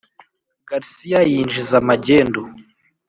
garcia yinjiza magendu.